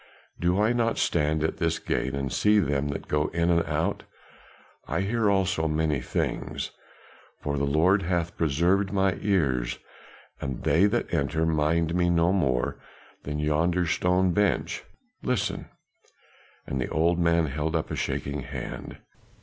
Do I not stand at this gate and see them that go in and out? I hear also many things for the Lord hath preserved my ears, and they that enter mind me no more than yonder stone bench listen!" and the old man held up a shaking hand.